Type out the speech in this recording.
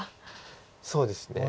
そうですね。